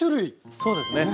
そうですね。